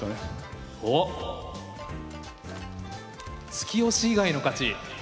突き押し以外の勝ち。